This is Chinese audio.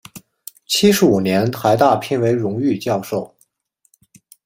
七十五年台大聘为荣誉教授。